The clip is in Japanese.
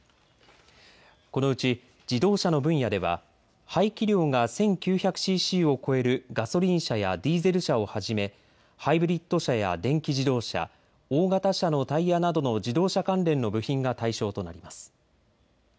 このうち自動車の分野では排気量が１９００ｃｃを超えるガソリン車やディーゼル車をはじめハイブリッド車や電気自動車、大型車のタイヤなどの自動車関連の部品が対象となります。